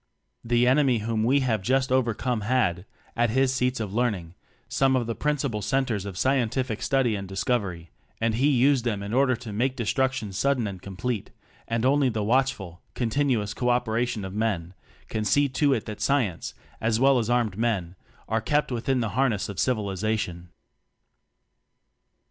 'The enemy whom we have just overcome had at his seats of learning some of the principal centers of scientific study and discovery, and he used them in order to make de struction sudden and complete; and only the watchful, continuous co op eration of men can see to it that cience as well as armed men are ept within the harness of civiliza tion.")